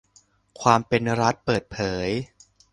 ความเป็นรัฐเปิดเผย